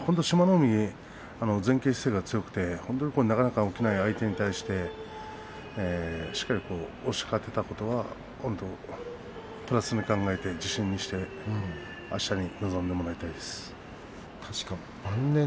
海は前傾姿勢が強くてなかなか起きない相手に対してしっかり押し勝てたことはプラスに考えて自信にしてあしたに臨んでもらいたいです。